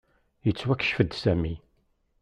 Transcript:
Yettwakcef-d Sami.